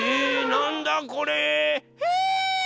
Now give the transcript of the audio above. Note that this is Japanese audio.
なんだこれ？えっ？